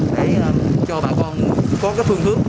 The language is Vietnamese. để cho bà con có phương hướng